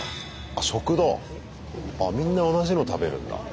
あみんな同じの食べるんだ。